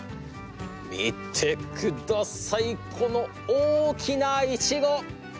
見てくださいこの大きなイチゴ。